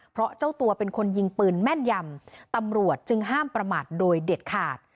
เพราะเจ้าตัวเป็นคนยิงปืนแม่นยำตำรวจจึงห้ามประมาทโดยเด็ดขาด